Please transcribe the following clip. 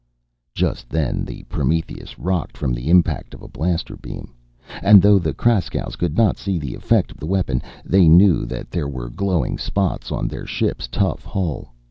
Just then the Prometheus rocked from the impact of a blaster beam; and though the Kraskows could not see the effect of the weapon, they knew that there were glowing spots on their ship's tough hull.